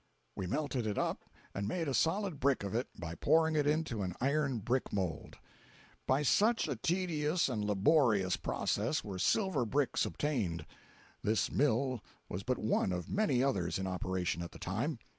We melted it up and made a solid brick of it by pouring it into an iron brick mould. By such a tedious and laborious process were silver bricks obtained. This mill was but one of many others in operation at the time.